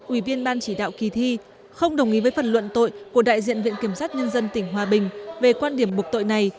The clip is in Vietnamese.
ủy viên ban chỉ đạo kỳ thi không đồng ý với phần luận tội của đại diện viện kiểm sát nhân dân tỉnh hòa bình về quan điểm bục tội này